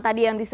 tadi yang tadi